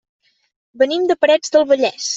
Venim de Parets del Vallès.